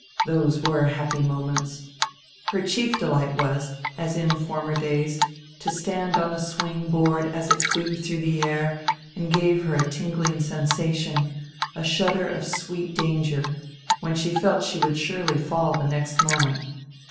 Those were happy moments. Her chief delight was, as in former days, to stand on die swing board as it flew through the air and gave her a tingling sensation, a shudder of sweet danger, when she felt she would surely fall die next moment.